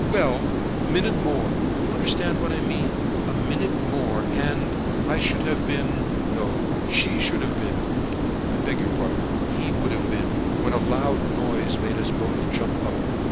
"Well, a minute more—you understand what I mean? A minute more, and—I should have been—no, she would have been!—I beg your pardon, he would have been—when a loud noise made us both jump up.